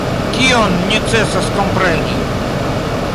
Kion necesas kompreni?